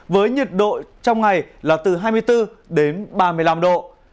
với nhiệt độ trong ngày là từ hai mươi bốn đến ba mươi năm độ